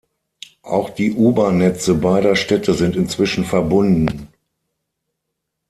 Auch die U-Bahn-Netze beider Städte sind inzwischen verbunden.